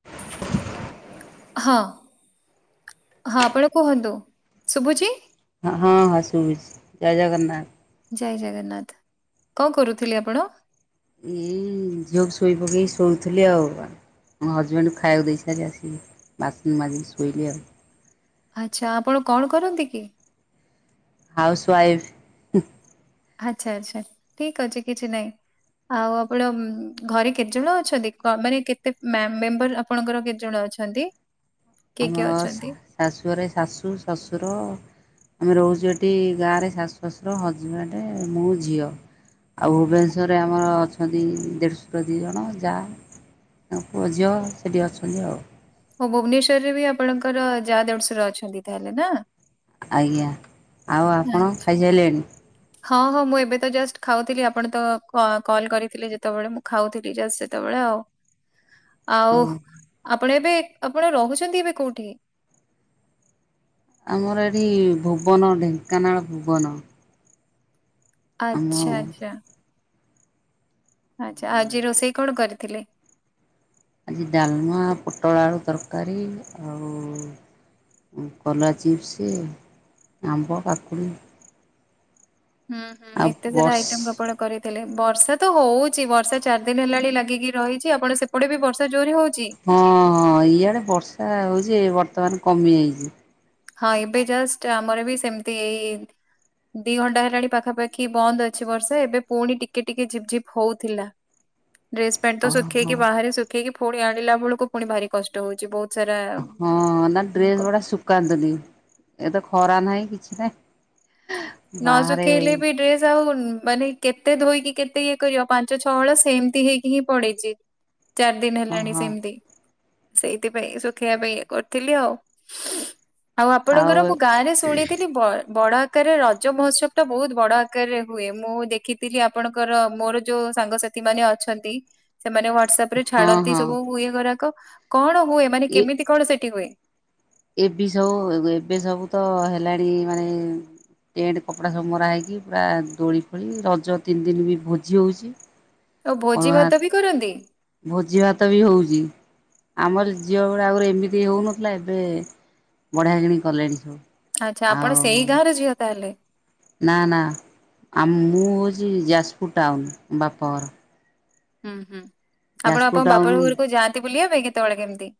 [unintelligible] ହଁ ହଁ ଏପାଳି କୁହନ୍ତୁ ଶୁଭୁଛି? ହଁ ହଁ ଶୁଭୁଚି ଜୟ ଜଗନ୍ନାଥ ଜୟ ଜଗନ୍ନାଥ କଣ କରୁଥିଲେ ଆପଣ? ଝିଅକୁ ଶୋଇ ପକେଇ ଶୋଉଥିଲି ଆଉ। ମୋ ହଜବେଣ୍ଡକୁ ଖାଇବାକୁ ଦେଇସାରି ଆସିକି ବାସନ୍ ମାଜିକି ଶୋଇଲି ଆଉ। ଆଚ୍ଛା ଆପଣ କଣ କରନ୍ତି କି? Housewife. ଆଚ୍ଛା ଆଚ୍ଛା ଠିକ ଅଛି କିଛି ନାହିଁ। ଆଉ ଆପଣ ଘରେ କେତେଜଣ ଅଛନ୍ତି କ ମାନେ କେତେ ମାମ୍ ମେମ୍ବର ଆପ୍ ଆପଣଙ୍କର କେତେ ଜଣ ଅଛନ୍ତି? କିଏ କିଏ ଆମର ଅଛନ୍ତି? ଶାଶୁଘରେ ଶାଶୁ ଶଶୁର ଆମେ ରହୁଛୁ ଏଠି ଗାଁରେ ଶାଶୁ ଶାଶୁର ହଜବେଣ୍ଡ ମୁଁ ଝିଅ। ଆଉ ଭୁବନେଶ୍ୱରରେ ଆମର ଅଛନ୍ତି ଦେଢ଼ଶୁର ଦି ଜଣ ଯା। ତାଙ୍କ ପୁଅ ଝିଅ ସେଠି ଅଛନ୍ତି ଆଉ। ହଁ ଭୁବନେଶ୍ଵରରେ ବି ଆପଣଙ୍କର ଯା ଦେଢଶୁର ଅଛନ୍ତି ତାହେଲେ ନା? ଆଜ୍ଞା ଆଉ ଆପଣ ଆଚ୍ଛା। ଖାଇସାରିଲେଣି? ହଁ ହଁ ମୁଁ ଏବେ ତ ଜଷ୍ଟ ଖାଉଥିଲି ଆପଣ ତ ଆଁ କଲ କରିଥିଲେ ଯେତେବେଳେ ମୁଁ ଖାଉଥିଲି ସେତେବେଳେ ଆଉ। ହଁ ଆଉ ଆପଣ ଏବେ ଆପଣ ରହୁଛନ୍ତି ଏବେ କୋଉଠି? ଆମର ଏଠି ଭୁବନ ଢେଙ୍କାନାଳ ଭୁବନ। ଆଚ୍ଛା ଆମ ଆଚ୍ଛା। ଆଚ୍ଛା ଆଜି ରୋଷେଇ କଣ କରିଥିଲେ? ଆଜି ଡାଲମା ପୋଟଳ ଆଳୁ ତରକାରୀ ଆଉ ଉଁ କଲରା ଚିପ୍ସ, ଆମ୍ବ, କାକୁଡ଼ି। ହୁଁ ହୁଁ ଆଉ ଏତେ ସାରା ବର୍ଷ ଆଇଟମ୍ କ ଆପଣ କରିଥିଲେ ବର୍ଷା ତ ହଉଛି ବର୍ଷା ଚାରି ଦିନ ହେଲାଣି ଲାଗିକି ରହିଛି ଆପଣ ସେପଟେ ବି ବର୍ଷା ଜୋରି ହଉଛି? ହଁ ହଁ ଇଆଡ଼େ ବର୍ଷା ହେଉଛି ବର୍ତ୍ତମାନ କମିଯାଇଛି। ହଁ ଏବେ ଜଷ୍ଟ ଆମର ବି ସେମିତି ଏଇ ଦି ଘଣ୍ଟା ହେଲାଣି ପାଖାପାଖି ବନ୍ଦ ଅଛି ବର୍ଷା ଏବେ ପୁଣି ଟିକେ ଟିକେ ଝିପ୍ ଝିପ୍ ହଉଥିଲା। ଡ୍ରେସ ପ୍ୟାଣ୍ଟ ତ ଓହୋ ଶୁଖେଇକି ବାହାରେ ଶୁଖେଇକି ପୁଣି ଆଣିଲା ବେଳକୁ ପୁଣି ଭାରି କଷ୍ଟ ହଉଛି ବହୁତ। ସାରା ହଁ ନା ଡ୍ରେସ କ ଗଡା ଶୁଖ କାନ୍ତୁନି ଏ ତ ଖରା ନାହିଁ କିଛି ନାହିଁ ନ ବାହାରେ ଶୁଖେଇଲେ ବି ଡ୍ରେସ ଆଉ ମାନେ କେତେ ଧୋଇକି କେତେ ଇଏ କର ପାଞ୍ଚ ଛଅ ହଳ ସେମିତି ହେଇକି ହିଁ ପଡ଼ିଛି। ଚାରି ଦିନ ହେଲାଣି ଓହୋ ସେମିତି। ସେଇଥିପାଇଁ ଶୁଖେଇବା ପାଇଁ ଇଏ କରିଥିଲି ଆଉ। ଆଉ ଆପଣଙ୍କର ମୁଁ ଗାଁ ରେ ଶୁଣିଥିଲି ବ ବଡ ଆକାରରେ ରଜ ରଜ ମହୋତ୍ସବ ଟା ବହୁତ ବଡ ଆକାରରେ ହୁଏ ମୁଁ ଦେଖିଥିଲି ଆପଣଙ୍କର ମୋର ଯୋଉ ସାଙ୍ଗସାଥୀ ଥି ମାନେ ଅଛନ୍ତି। ସେମାନେ ହ୍ଵାଟସଆପ ରେ ଛାଡନ୍ତି ହଁ ସବୁ ହୁଏ ଗୁରାକ କଣ ହୁଏ ମାନେ ଏ କେମିତି କଣ ସେଠି ହୁଏ? ଏବେ ସବୁ ଏବେ ସବୁ ତ ହେଲାଣି ମାନେ ଟେଣ୍ଟ କପଡ଼ା ସବୁ ମରାହଇକି ପୁରା ଦୋଳି ଫୋଳି ରଜ ତିନି ଦିନ ବି ଭୋଜି ହେଉଛି। ଆଉ ଭୋଜି ଅରୁଆ ଭାତ ବି କରନ୍ତି। ଭୋଜି ଭାତ ବି ହେଉଛି ଆମର ଝିଅ ଗୁଡା ଆଗରୁ ଏମିତି ହେଉନଥିଲା ଏବେ ବଢିଆ କିଣି କଲେଣି ସବୁ। ଆଚ୍ଛା ଆପଣ ସେଇ ଆଉ ଗାଁ ରେ ଝିଅ ତାହେଲେ? ନା ନା ଆ ମୁଁ ହେଉଛି ଯାଜପୁର ଟାଉନ ବାପଘର। ହୁଁ ହୁଁ ଆପଣ ଯାଜପୁର ଆପଣଙ୍କ ବାପା ଟାଉନ୍ ଘରକୁ ଯାଆନ୍ତି ବୁଲିବା ପାଇଁ କେତେବେଳେ କେମିତି?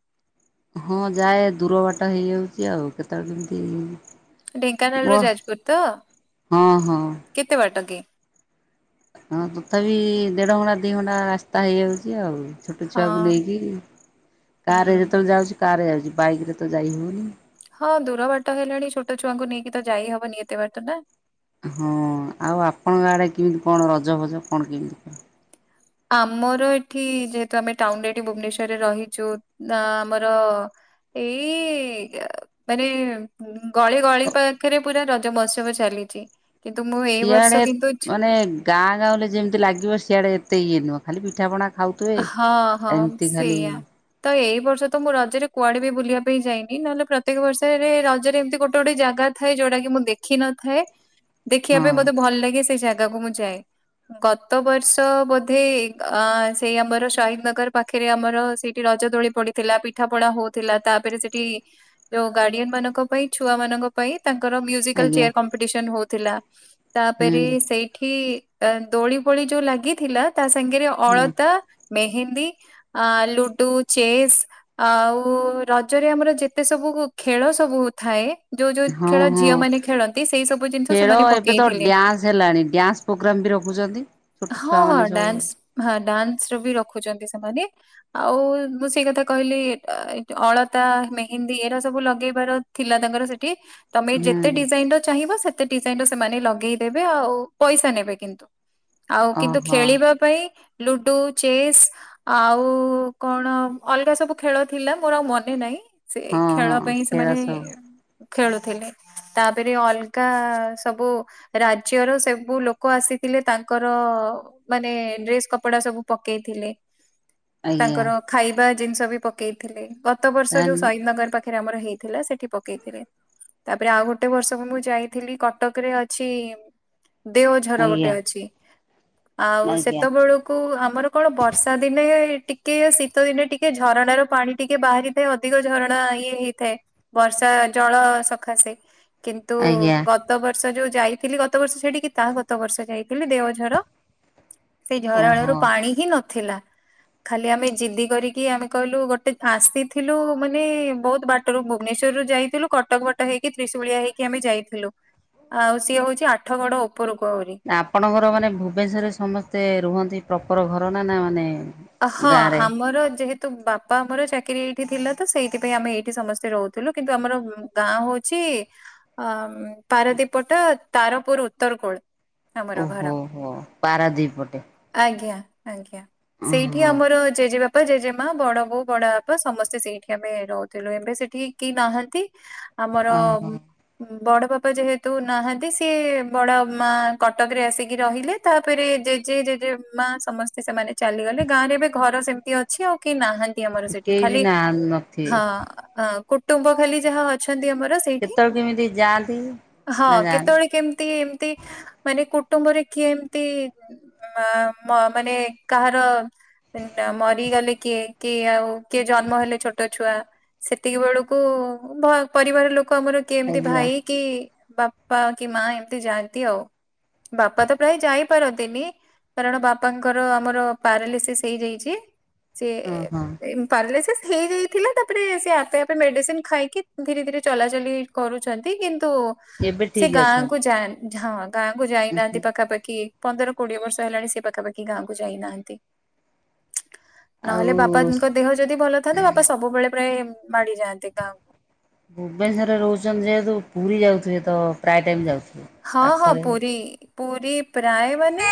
ହଁ ଯାଏ ଦୂର ବାଟ ହେଇଯାଉଛି ଆଉ କେତେବେଳେ କେମିତି। ବ ଢେଙ୍କାନାଳରୁୁ ଯାଜପୁର ତ ହଁ ହଁ। କେତେ ବାଟକି? ହଁ ତଥାପି ଦେଢ଼ ଘଣ୍ଟା ଦୁଇ ଘଣ୍ଟା ରାସ୍ତା ହେଇଯାଉଛି ଆଉ। ଛୋଟ ହଁ ଛୁଆକୁ ନେଇକି କାର ରେ ହୁଁ। ଯେତେବେଳେ ଯାଉଛି କାରରେ ଯାଉଛି ବାଇକ୍ ରେ ତ ଯାଇ ହେଉନି। ହଁ ଦୂର ବାଟ ହେଲାଣି ଛୋଟ ଛୁଆଙ୍କୁ ନେଇକି ତ ଯାଇ ହବନି ଏତେ ବାଟ ନା? ହଁ ଆଉ ଆପଣଙ୍କ ଆଡେ କେମିତି କଣ ରଜଭଜ କଣ କେମିତି କହ। ଆମର ଏଠି ଯେହେତୁ ଆମେ ଟାଉନରେ ଏଠି ଭୁବନେଶ୍ୱର ରେ ରହିଛୁ ନା ଆମର ଏଇ ମାନେ ଗଳି ଗଳି ପାଖରେ ପୁରା ରଜ ମହୋତ୍ସବ ଚାଲିଛି କିନ୍ତୁ ମୁଁ ଏଇ ବର୍ଷ ସିଆଡ଼େ କିନ୍ତୁ ଛୁ ମାନେ ଗାଁ ଗାଁ ରେ ଯେମିତି ଲାଗିବ ସିଆଡ଼େ ଏତେ ଇଏ ନୁହଁ ଖାଲି ପିଠାପଣା ଖାଉଥିବେ ହଁ ହଁ ଏମିତି ଖାଲି ସେଇଆ। ତ ଏଇ ବର୍ଷ ତ ମୁଁ ରଜରେ କୁଆଡେ ବି ବୁଲିବା ପାଇଁ ଯାଇନି ନହେଲେ ପ୍ରତ୍ୟେକ ବର୍ଷରେ ରଜରେ ଏମିତି ଗୋଟେ ଗୋଟେ ଜାଗା ଥାଏ ଯୋଉଟା କି ମୁଁ ଦେଖିନ ଥାଏ ଦେଖିବା ହଁ ପାଇଁ ମୋତେ ଭଲ ଲାଗେ ସେ ଜାଗା। ଜାଗାକୁ ମୁଁ ଯାଏ ଗତ ବର୍ଷ ବୋଧେ ଅ ସେଇ ଆମର ଶହିଦି ନଗର ପାଖରେ ଆମର ସେଇଠି ରଜ ଦୋଳି ପଡିଥିଲା ପିଠା ପଣା ହଉଥିଲା ତାପରେ ସେଠି। ଯୋଉ ଗାଡିଆନ ମାନଙ୍କ ପାଇଁ ଛୁଆ ମାନଙ୍କ ପାଇଁ ତାଙ୍କର ମିୟୁଜିକାଲ ଆଜ୍ଞା ଚେୟ କମ୍ପିଟିସନ ହଉଥିଲା ହୁଁ ତାପରେ ସେଇଠି। ତାନ ଦୋଳି ଫୋଳି ଯୋଉ ଲାଗିଥିଲା ତା ସାଙ୍ଗରେ ହୁଁ ଅଳତା ମେହେନ୍ଦୀ। ଆମ ଲୁଡୁ ଚେସ୍। ଆଉ ରଜରେ ଆମର ଯେତେ ସବୁକୁ ଖେଳ ସବୁ ଥାଏ। ଯୋଉ ଯୋଉ ହଁ ଖେଳ ହଁ ଝିଅ ମାନେ ଖେଳନ୍ତି ସେଇ ସବୁ ଜିନିଷ ଖେଳ ସେମାନେ ପକେଇଥିଲେ। ପ୍ରୋଗ୍ରାମ୍ ବି ରଖୁଚନ୍ତି ଛୋଟ ହଁ ହଁ ଛୁଆମାନେ ସବୁ। ଡ୍ୟାନ୍ସ ହଁ ଡାନ୍ସ ର ବି ରଖୁଚନ୍ତି ସେମାନେ। ଆଉ ମୁଁ ସେଇ କଥା କହିଲି [inaudible] ଅଳତା ମେହେନ୍ଦୀ ଏରା ସବୁ ଲଗେଇବାର। ଥିଲା ତାଙ୍କର ସେଠି। ତମେ ହୁଁ ଯେତେ ଡିଜାଇନ ର ଚାହିଁବ ସେତେ ଡିଜାଇନ ର ସେମାନେ ଲଗେଇଦେବେ ଆଉ ପଇସା ନେବେ କିନ୍ତୁ। ଆଉ କିନ୍ତୁ ଓହୋ ଖେଳିବା ପାଇଁ ଲୁଡୁ ଚେସ୍। ଆଉ କଣ ଅଲଗା ସବୁ ଖେଳ ଥିଲା ମୋର ଆଉ ମନେ ନାହିଁ। ସେ ହଁ ଖେଳ ହଁ ପାଇଁ ଖେଳ ସେମାନେ। ସବୁ ଖେଳୁଥିଲେ ତାପରେ ଅଲଗା ସବୁ। ରାଜ୍ୟର ସେବୁ ଲୋକ ଆସିଥିଲେ ତାଙ୍କର ମାନେ ଡେସ୍ କ କପଡା ସବୁ ପକେଇଥିଲେ ଆଜ୍ଞା ତାଙ୍କର ଖାଇବା ଜିନିଷ ବି ପ ପକେଇଥିଲେ ଗତ ବର୍ଷ ଯୋଉ ତାହେଲେ ସହୀଦ ନଗର ପାଖରେ ଆମର ହେଇଥିଲା ସେଠି ପକେଇଥିଲେ। ତାପରେ ଆଉ ଗୋଟେ ବର୍ଷକୁ ମୁଁ ଯାଇଥିଲି କଟକରେ ଅଛି। ଦେଓଝର ଗୋଟେ ଆଜ୍ଞା ଅଛି ଆଉ ଆଜ୍ଞା ସେତେ ବେଳୁ କୁ ଆମର କଣ ବର୍ଷା ଦିନେ ଟିକେ ଶୀତ ଦିନେ ଟିକେ ଝରଣାର ପାଣି ଟିକେ ବାହାରି ଏ ଅଧିକ ଝରଣା ଇଏ ହେଇଥାଏ ବର୍ଷା ଜଳ ସକାଶେ କିନ୍ତୁ ଆଜ୍ଞା। ଗତ ବର୍ଷ ଯୋଉ ଯାଇଥିଲି ଗତ ବର୍ଷ ସେଠିକି ତାହା ଗତ ବର୍ଷ ଯାଇଥିଲି ଦେଓଝର। ଝରଣାରୁ ଓହୋ ପାଣି ହିଁ ନଥିଲା। ଖାଲି ଆମେ ଜିଦି କରିକି ଆମେ କହିଲୁ ଗୋଟେ ଆସିଥିଲୁ ମାନେ ବହୁତ ବା ଟରୁ ଭୁବନେଶ୍ୱରରୁୁ ଯାଇଥିଲୁ କଟକ ବାଟେ ହେଇକି ତ୍ରିଶୁଳିଆ ହେଇକି ଆମେ ଯାଇଥିଲୁ। ଆଉ ସିଏ ହଉଛି ଆଠ ଗଡ ଉପରକୁ ଆହୁରି। ଆପଣଙ୍କର ମାନେ ଭୁବନେଶ୍ୱର ରେ ସମସ୍ତେ ରୁହନ୍ତି ପ୍ରପର୍ ଘର ନା ନା ମାନେ ଅ ହଁ ଗାଁରେ ଆମର ଯେହେ ତ ବାପା ଆମର ଚାକିରି ଏଇଠି ଥିଲା ତ ସେଇଥିପାଇଁ ଆମେ ଏଇଠି ସମସ୍ତେ ରହୁଥିଲୁ କିନ୍ତୁ ଆମର। ଗାଁ ହଉଛି ଅ ପାରଦୀପ ପଟ ତାରପୁର ଉତ୍ତର କୋଳ। ଆମର ଓହୋ ଘର ହୋ ପାରାଦୀପ ପଟେ ଆଜ୍ଞା ଆଜ୍ଞା। ସେଇଠି ଓହୋ। ଆମର। ଜେଜେ ବାପା ଜେଜେମା ବଡ ବୋଉ ବଡ ବାପା ସମସ୍ତେ ସେଇଠି ଆମେ ରହୁଥିଲୁ ଏବେ ସେଠି କେହି ନାହାନ୍ତି। ଆମର। ଓହୋ ବଡ ବାପା ଯେହେତୁ ନାହାନ୍ତି ସିଏ ବଡ ମା କଟକରେ ଆସିକି ରହିଲେ। ତାପରେ ଜେଜେ ଜେଜେ ମା ସମସ୍ତେ ସେମାନେ ଚାଲିଗଲେ ଗାଁ ରେ ଏବେ ଘର ସେମିତି ଅ ଛି ଆଉ କି ନାହାନ୍ତି ଆମର ସେଠି କେହି ବି ଖାଲି ନା ନଥିବେ ହଁ ହଁ। କୁଟୁମ୍ବ ଖାଲି ଯାହା ଅଛନ୍ତି ଆମର। ସେଇଠି କେତେବେଳେ କେମିତି ଯାଆନ୍ତି? ହଁ ନା ଯାଆନ୍ତି କେତେବେଳେ କେମତି ଏମତି ମାନେ କୁଟୁମ୍ବରେ କିଏ ଏମତି ମା ମ ମାନେ କାହାର ନା ମରିଗଲେ କିଏ କିଏ ଆଉ କିଏ ଜନ୍ମ ହେଲେ ଛୋଟ ଛୁଆ। ସେତିକି ବେଳକୁ ପରିବାର ଲୋକ ଆମର କେମିତି ଆଜ୍ଞା ଭାଇ। କି ବାପା କି ମା ଏମତି ଯାଆନ୍ତି ଆଉ। ବାପା ତ ପ୍ରାୟ ଯାଇପାରନ୍ତିନି କାରଣ ବାପାଙ୍କର ଆମର ପାରାଲିସିସ୍ ହେଇଯାଇଛି ସେ ହଁ ହଁ ପାରଲିସିସ୍ ହେଇଯାଇଥିଲା ତାପରେ ସେ ଆପେ ଆପେ ମେଡ଼ିସିନ ଖାଇକି ଧୀରେ ଧୀରେ ଚଲାଚଲି କରୁଛନ୍ତି କିନ୍ତୁ ଏବେ ସେ ଠିକ ଗାଁ ଅଛନ୍ତି। କୁ ଯା ହଁ ଗାଁକୁ ଯାଇନାହାନ୍ତି ଉହୁଁ ପାଖାପାଖି ପନ୍ଦର କୋଡିଏ ବର୍ଷ ହେଲାଣି ସେ ପାଖାପାଖି ଗାଁକୁ ଯାଇନାହାନ୍ତି। ଆଉ ନହେଲେ ବାପାଙ୍କ ଦେହ ଯଦି ଭଲ ଥାଆନ୍ତା ବାପା ସବୁବେଳେ ପ୍ରାୟ ମାଡିଯାଆନ୍ତେ ଗାଁକୁ। ଭୁବନେଶ୍ୱରରେ ରହୁଛନ୍ତି ଯେହେତୁ ପୁରୀ ଯାଉଥିବେ ତ ପ୍ରାୟ ଟାଇମ୍ ଯାଉଥିବେ। ହଁ ହଁ ପାଖରେ ପୁରୀ। ପୁରୀ ପ୍ରାୟ ମାନେ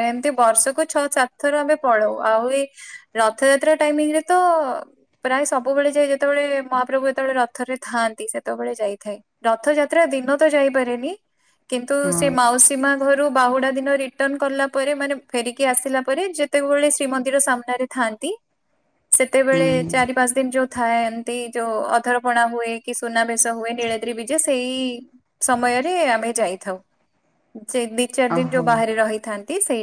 ଏମତି ବର୍ଷକୁ ଛଅ ସାତ ଥର ଆମେ ପଳଉ ଆଉ ଏଇ ରଥଯାତ୍ରା ଟାଇମିଂ ରେ ତ ପ୍ରାୟ ସବୁବେଳେ ଯାଏ ଯେତେବେଳେ ମହାପ୍ରଭୁ ଯେତେବେଳେ ରଥ ରେ ଥାଆନ୍ତି ସେତେବେଳେ ଯାଇଥାଏ। ରଥଯାତ୍ରା ଦିନ ତ ଯାଇପାରେନି କିନ୍ତୁ ସେ ହଁ ମାଉସୀ ମା ଘରୁ ବାହୁଡ଼ା ଦିନ ରିଟର୍ଣ କଲା ପରେ ମାନେ ଫେରିକି ଆସିଲା ପରେ ଯେତେବେଳେ ଶ୍ରୀମନ୍ଦିର ସାମ୍ନାରେ ଥାଆନ୍ତି ସେତେବେଳେ ହୁଁ ଚାରି ପାଞ୍ଚ ଯୋଉ ଥାନ୍ତି ଏମିତି ଯୋଉ ଅଧରପଣା ହୁଏ କି ସୁନାବେେଶ ହୁଏ ନୀଳଦ୍ରୀ ବିଜେ ସେଇ ସମୟରେ ଆ ଆମେ ଯାଇଥାଉ ସେ ଦି ଚାରି ଦିନ ଓହୋ ଯୋଉ ବାହାରେ ରହିଥାନ୍ତି ସେଇ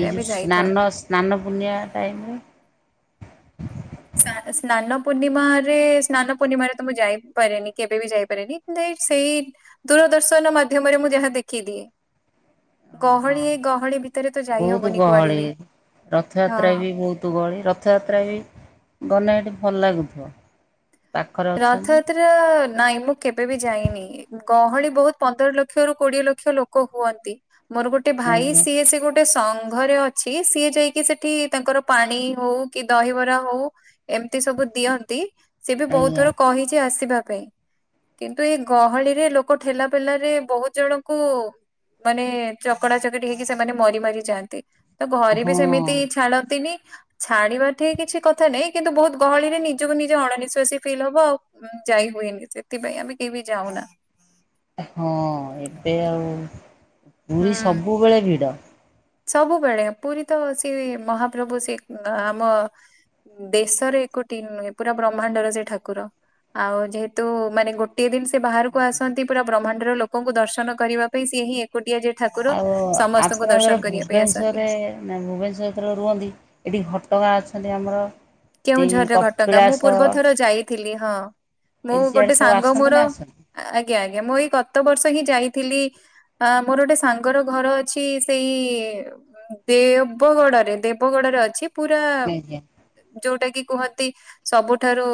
ଏଇ ଯେଉ ଆମେ ଯାଇଥାଉ। ସ୍ନାନ ସ୍ନାନ ପୁର୍ଣିମା ଟାଇମରେ ସ୍ନାନ ପୂର୍ଣ୍ଣିମାରେ ସ୍ନାନ ପୂର୍ଣ୍ଣିମାରେ ତ ମୁଁ ଯାଇପାରେନି କେବେ ବି ଯାଇପାରେନି। ସେଇ ଦୂରଦର୍ଶନ ମାଧ୍ୟମରେ ମୁଁ ଯାହା ଦେଖିଦିଏ। ହଁ ଗହଳି ହଁ ଏଇ ଗହଳି ଭିତରେ ତ ଯାଇ ବହୁତ ହବନି କୁଆଡେ ଗହଳି ବି ହଁ। ରଥଯାତ୍ରା ବି ବହୁତ ଗହଳି ରଥଯାତ୍ରା ବି ଗନେ ହେଟି ଭଲ ଲାଗୁଥିବ। ପାଖରେ ଅଛନ୍ତି ରଥଯାତ୍ରା ନାଇଁ ମୁଁ କେବେ ବି ଯାଇନି। ଗହଳି ବହୁତ ପନ୍ଦର ଲକ୍ଷରୁ କୋଡିଏ ଲକ୍ଷ ଲୋକ ହୁଅନ୍ତି ମୋର ଗୋଟେ ଭାଇ ଆଜ୍ଞା ସିଏ ସେ ଗୋଟେ ଗୋଟେ ସଙ୍ଘରେ ଅଛି ସିଏ ଯାଇକି ସେଠି ତାଙ୍କର ପାଣି ହଉ କି ଦହିବରା ହଉ ଏମିତି ସବୁ ଦିଅନ୍ତି ସେବି ବହୁତ ଆଜ୍ଞା ଥର କହିଛି ଆସିବା ପାଇଁ। କିନ୍ତୁ ଏଇ ଗହଳିରେ ଲୋକ ଠେଲା ପେଲାରେ ବହୁତ ଜଣଙ୍କୁ ମାନେ ଚକଡା ଚକଡି ହେଇକି ସେମାନେ ମରି ମାରି ଯାଆନ୍ତି। ତ ଘରେ ହଁ ବି ସେମିତି ଛାଡତିନି। ଛାଡିବା ଠିକ କିଛି କଥା ନାହିଁ କିନ୍ତୁ ବହୁତ ଗହଳିରେ ନିଜକୁ ନିଜେ ଅଣନିଶ୍ୱାସୀ ଫିଲ୍ ହବ ଆଉ ଯାଇ ହୁଏନି ସେଥିପାଇଁ ଆମେ କେହି ବି ଯାଉନା। ହଁ ଏବେ ଆଉ ପୁରୀ ହୁଁ। ସବୁବେଳେ ଭିଡ। ସବୁବେଳେ ପୁରୀ ତ ସେ ମହାପ୍ରଭୁ ସେ ଆମ ଦେଶରେ ଏକୋଟି ନୁହେଁ ପୁରା ବ୍ରହ୍ମାଣ୍ଡର ସେ ଠାକୁର ଆଉ ଯେହେତୁ ମାନେ ଗୋ ଗୋଟିଏ ଦିନ ସେ ବାହାରକୁ ଆସନ୍ତି ପୁରା ବ୍ରହ୍ମାଣ୍ଡର ଲୋକଙ୍କୁ ଦର୍ଶନ କରିବା ପାଇଁ ସିଏ ହିଁ କୋଟିଏ ଜେ ଠାକୁର ଆଉ ଆପଣ ସମସ୍ତଙ୍କୁ ଯେତେବେଳେ ଦର୍ଶନ କରିବା ପାଇଁ ଆସନ୍ତି। ଭୁବନେଶ୍ୱରରେ ନା ଭୁବନେଶଶ୍ୱର ଯେତେବେଳେ ରୁହନ୍ତି ଏଠି ଘଟଗାଁ ଅଛନ୍ତି ଆମର ଏଠି କେଉଁଝରରେ ଘଟଗାଁ ମୁଁ କପିଳାସ ପୂର୍ବ ଥର ଯାଇଥିଲି ହଁ ମୁଁ ଏଠି ସିଆଡ଼େ ଗୋଟେ ସବୁ ସାଙ୍ଗ ଆସନ୍ତି ନା ମୋର ଆସନ୍ତି ଆଜ୍ଞା ଆଜ୍ଞା ମୁଁ ଏଇ ଗତ ବର୍ଷ ହିଁ ଯାଇଥିଲି। ଅ ମୋର ଗୋଟେ ସାଙ୍ଗର ଘର ଅଛି ସେଇ ଦେବଗଡରେ ଦେବଗଡରେ ଅଛି ପୁରା ଆଜ୍ଞା ଯୋଉଟା କି କୁହନ୍ତି ସବୁଠାରୁ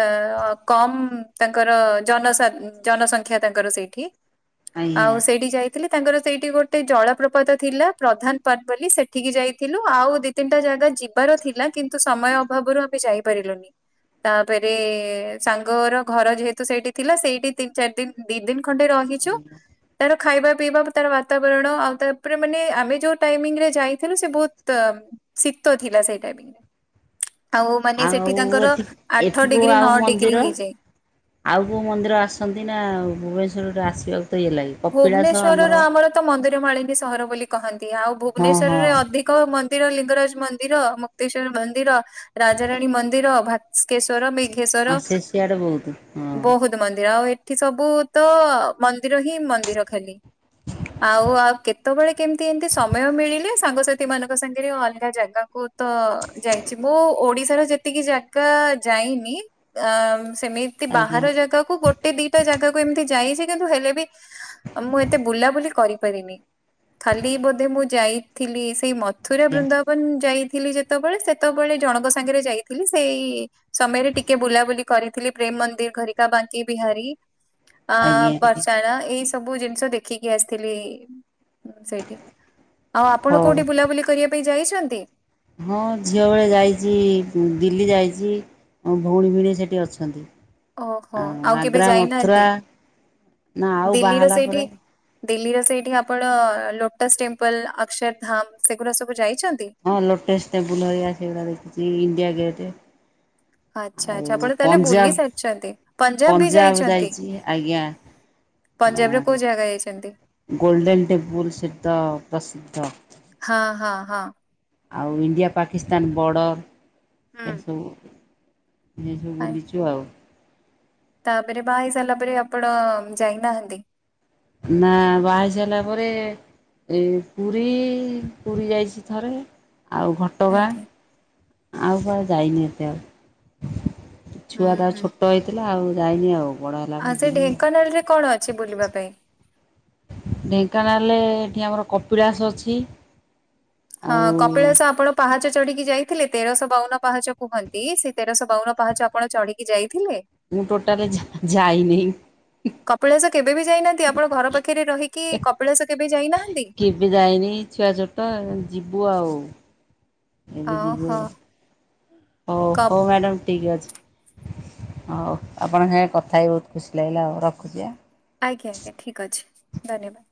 ଅ କମ ତାଙ୍କର ଜନ ଜନସଂଖ୍ୟା ତାଙ୍କର ସେଇଠି। ଆଜ୍ଞା ଆଉ ସେଇଠି ଯାଇ ଥିଲେ ତାଙ୍କର ସେଇଠି ଗୋଟେ ଜଳପ୍ରପାତ ଥିଲା ପ୍ରଧାନ ପାଟ ବୋଲି ସେଠିକି ଯାଇଥିଲୁ ଆଉ ତିନିଟା ଜାଗା ଯିବାର ଥିଲା କିନ୍ତୁ ସମୟ ଅଭାବରୁ ଆମେ ଯାଇପାରିଲୁନି। ତାପରେ ସାଙ୍ଗର ଘର ଯେହେତୁ ସେଇଠି ଥିଲା ସେଇଠି ତିନି ଚାରି ଦିନ ଦି ଦିନ ଖଣ୍ଡେ ରହି ଛୁ। ତାର ଖାଇବା ପିଇବା ତାର ବାତାବରଣ ଆଉ ତାପରେ ମାନେ ଆମେ ଯୋଉ ଟାଇମିଙ୍ଗରେ ଯାଇଥିଲୁ ସେ ବୋହୁତ ଶୀତ ଥିଲା ସେଇ ଟାଇମ୍। ଆଉ ଆଠ ଏଠି ଡିଗ୍ରୀ ନଅ ଆଉ ଡିଗ୍ରୀ ମନ୍ଦିର ହେଇଯାଏ। ଆଉ କୋଉ ମନ୍ଦିର ଆସନ୍ତି ନା ଭୁବନେଶ୍ୱରରୁ ଆସିବାକୁ ତ ଇଏ ଲାଗି ଭୁବନେଶ୍ୱରର ଆମର ତ ମନ୍ଦିର ମାଳିନୀ ସହର ବୋଲି କହନ୍ତି ଆଉ ହଁ ଭୁବନେଶ୍ୱରରେ ହଁ ଅଧିକ ଙ୍କ ମନ୍ଦିର ଲିଙ୍ଗରାଜ ମନ୍ଦିର ମୁକ୍ତେଶ୍ଵର ମନ୍ଦିର। ଙ୍କ ମନ୍ଦିର ଲିଙ୍ଗରାଜ ମନ୍ଦିର ମୁକ୍ତେଶ୍ଵର ମନ୍ଦିର [unintelligible] ହଁ ସିଏ ସିଆଡେ ବୋହୁତ ହଁ। ବହୁତ ଏଠି ସବୁ ତ ମନ୍ଦିର ହିଁ ମନ୍ଦିର ଖାଲି। ଆଉ ଆଉ କେତେବେଳେ କେମିତି ଏମତି ସମୟ ମିଳିଲେ ସାଙ୍ଗସଥି ସାଙ୍ଗ ସାଥି ମାନଙ୍କ ସାଙ୍ଗରେ ଅଲଗା ଜାଗାକୁ ତ ଯାଇଛି। ମୁଁ ଓଡିଶାର ଯେତିକି ଜାଗା ଯାଇନି ଅ ସେମିତି ଆଜ୍ଞା ବାହାର ଜାଗାକୁ ଗୋଟେ ଦିଟା ଜାଗାକୁ ଏମିତି ଯାଇଛି କିନ୍ତୁ ହେଲେ ବି ମୁଁ ଏତେ ବୁଲାବୁଲି କରିପାରିନି ଖାଲି ବୋଧେ ମୁଁ ଯାଇଥିଲି ସେଇ ମ ମଥୁରା ଆଜ୍ଞା ବୃନ୍ଦାବନ ଯାଇଥିଲି ଯେତେବେଳେ ସେତେବେଳେ ଜଣଙ୍କ ସାଙ୍ଗରେ ଯାଇଥିଲି ସେଇ ସମୟରେ ଟିକେ ବୁଲାବୁଲି କରିଥିଲି ପ୍ରେମ ମନ୍ଦିର ଘରିକା ବାଙ୍କି ବିହାରୀ। ଅ ଆଜ୍ଞା ଆଜ୍ଞା ବର୍ଷାଣ ଏଇ ସବୁ ଜିନିଷ ଦେଖିକି ଆସିଥିଲି ସେଇଠି। ଆଉ ଆପଣ ହଉ କୋଉଠି ବୁଲାବୁଲି କରିବା ପାଇଁ ଯାଇଛନ୍ତି? ହଁ ଝିଅବେଳେ ଯାଇଛି ଦିଲ୍ଲୀ ଯାଇଛି। ମୋ ଭଉଣୀ ଭିଣେଇ ସେଠି ଅଛନ୍ତି। ଓହୋ ଆ ଆଉ କେବେ ଆଗ୍ରା ମଥୁରା ଯାଇନାହାନ୍ତି? ନା ଆଉ ବାହାହେଲା ପରେ ଦିଲ୍ଲୀ ର ସେଇଠି ଆପଣ ଲୋଟସ୍ ଟେମ୍ପଲ୍ ଅକ୍ସର୍ ଧାମ ସେଗୁରା ସବୁ ଯାଇଛନ୍ତି? ହଁ ଲୋଟସ୍ ଟେମ୍ପୁଲ ହେରିଆ ସେଗୁଡା ଦେଖିଛି ଇଣ୍ଡିଆ ଗେଟେ। ଆଚ୍ଛା ଆଚ୍ଛା ଆଉ ଆପଣ ତାହେଲେ ବୁଲି ପଞ୍ଜାବ ସାରିଛନ୍ତି। ବି ପଞ୍ଜାବ ଯାଇଛନ୍ତି? ଯାଇଛି ଆଜ୍ଞା। ପଞ୍ଜାବର ଆ କୋଉ ଜାଗା ଯାଇଛନ୍ତି? ଗୋଲଡେନ୍ ଟେମ୍ପୁଲ ସେ ତ ପ୍ରସିଦ୍ଧ। ହଁ ହଁ ହଁ। ଆଉ ଇଣ୍ଡିଆ ପାକିସ୍ତାନ ବର୍ଡ଼ର ହୁଁ। ଏ ସବୁ। ଏ ସବୁ ଆ- ବୁଲିଛୁ ଆଉ। ତାପରେ ବା ହେଇ ସାରିଲା ପରେ ଆପଣ ଯାଇନାହାନ୍ତି? ନାଁ ବାହା ହେଇ ସାରିଲା ପରେ ଏ ପୁରୀ ପୁରୀ ଯାଇଛି ଥରେ ଆଉ ଘଟ ଟଗାଁ ଆଜ୍ଞା। ଆଉ କୁଆଡେ ଯାଇନି ଏତେ ଆଉ ହୁଁ ଛୁଆ ତ ଆଉ ହୁଁ ଛୋଟ ଛୋଟ ହେଇଥିଲା ଆଉ ଯାଇନି ଆଉ। ବଡ଼ ହେଲା ଆଉ ପରେ ସେ ଯିବି ଆଉ ଢେଙ୍କାନାଳ ରେ କଣ ଅଛି ବୁଲିବା ପାଇଁ? ଢେଙ୍କାନାଳରେ ଏଠି ଆମର କପିଳାସ ଅଛି। ହଁ ଆଉ କପିଳାସ ଆପଣ ପାହାଚ ଚଢିକି ଯାଇଥିଲେ ତେରଶହ ବାଉନ ପାହାଚ କୁହନ୍ତି ସେ ତେରଶହ ବାଉନ ପାହାଚ ଆପଣ ଚଢିକି ଯାଇଥିଲେ? ମୁଁ ଟୋଟାଲେ ଯା ଯାଇନି। କପିଳାସ କେବେ ବି ଯାଇନାହାନ୍ତି ଆପଣ ଘର ପାଖରେ ରହିକି କପିଳାସ କେବେ ଯାଇନାହାନ୍ତି? ଏବେ ଯାଇନି ଛୁଆ ଛୋଟ ଯିବୁ ଆଉ। ଏବେ ଯିବୁ ଓହୋ ଆଉ। ହଉ ହଉ କପ୍ ମ୍ୟାଡ଼ାମ ଠିକ ଅଛି। ହଉ ଆପଣଙ୍କ ସାଙ୍ଗେ କଥା ହେଇ ବହୁତ ଖୁସି ଲାଗିଲା ଆଉ ରଖୁଚି ଆ। ଆଜ୍ଞା ଆଜ୍ଞା ଠିକ୍ ଅଛି। ଧନ୍ୟବାଦ।